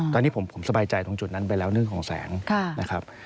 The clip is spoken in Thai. ตอนนี้ผมสบายใจตรงจุดนั้นไปแล้วเรื่องของแสงนะครับ